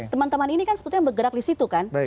teman teman ini kan sebetulnya bergerak disitu kan